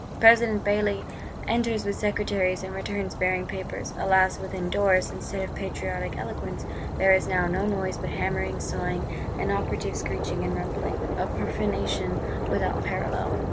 —President Bailly enters with Secretaries; and returns bearing papers: alas, within doors, instead of patriotic eloquence, there is now no noise but hammering, sawing, and operative screeching and rumbling! A profanation without parallel.